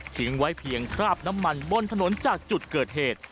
ไว้เพียงคราบน้ำมันบนถนนจากจุดเกิดเหตุ